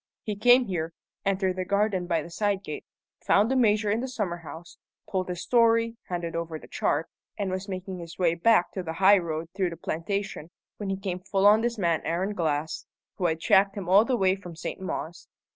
He came here, entered the garden by the side gate, found the Major in the summer house, told his story, handed over the chart, and was making his way back to the high road through the plantation, when he came full on this man Aaron Glass, who had tracked him all the way from St. Mawes.